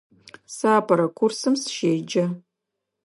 Сэ апэрэ курсым сыщеджэ.